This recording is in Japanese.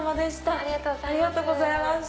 ありがとうございます。